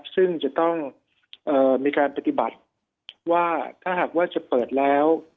ซึ่งจะต้องมีการปฏิบัติว่าถ้าหากว่าจะเปิดแล้ว